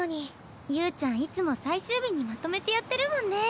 侑ちゃんいつも最終日にまとめてやってるもんね。